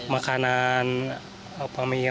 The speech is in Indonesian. makanan apa sih ini